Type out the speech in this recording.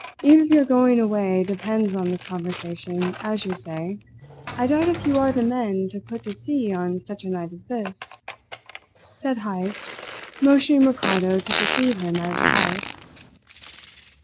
Even if your going away depends on this conversation, as you say, I doubt if you are the men to put to sea on such a night as this," said Heyst, motioning Ricardo to precede him out of the house.